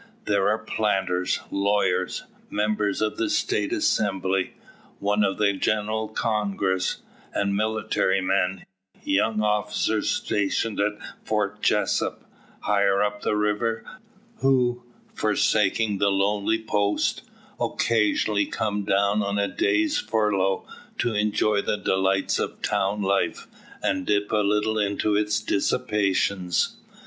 There are planters, lawyers, members of the State Assembly one of the General Congress and military men, young officers stationed at Fort Jessup, higher up the river; who, forsaking the lonely post, occasionally come down on a day's furlough to enjoy the delights of town life, and dip a little into its dissipations.